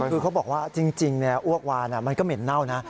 คือเขาบอกว่าจริงอ้วกวานมันก็เหม็นเน่านะ